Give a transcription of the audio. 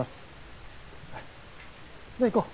じゃあ行こう。